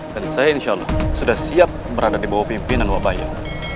dan saya insya allah sudah siap berada di bawah pimpinan wabayau